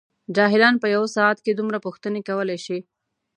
جاهلان په یوه ساعت کې دومره پوښتنې کولای شي.